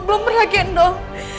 belum pernah gendong